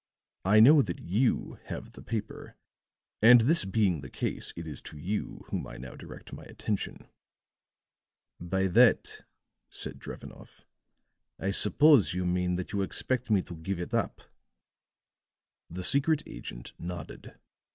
I know that you have the paper, and this being the case, it is to you whom I now direct my attention." "By that," said Drevenoff, "I suppose you mean that you expect me to give it up." The secret agent nodded.